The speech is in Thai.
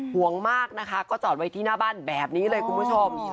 ห่วงมากนะคะก็จอดไว้ที่หน้าบ้านแบบนี้เลยคุณผู้ชม